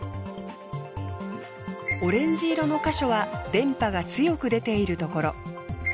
オレンジ色の箇所は電波が強く出ているところ。